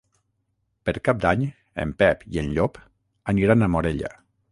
Per Cap d'Any en Pep i en Llop aniran a Morella.